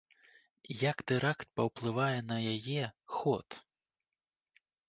Як тэракт паўплывае на яе ход?